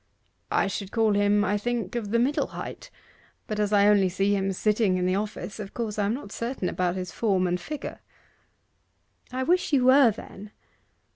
'I should call him, I think, of the middle height; but as I only see him sitting in the office, of course I am not certain about his form and figure.' 'I wish you were, then.